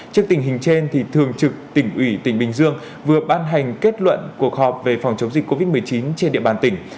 trước tình hình trên thường trực tỉnh ủy tỉnh bình dương vừa ban hành kết luận cuộc họp về phòng chống dịch covid một mươi chín trên địa bàn tỉnh